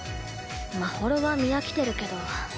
まほろは見飽きてるけど。